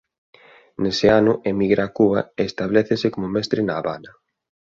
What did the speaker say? Nese ano emigra a Cuba e establécese como mestre na Habana.